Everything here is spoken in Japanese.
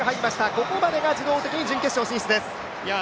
ここまでが自動的に準決勝進出です。